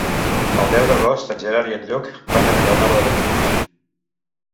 El deu d'agost en Gerard i en Lluc van a Vilanova de Bellpuig.